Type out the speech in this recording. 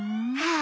あ！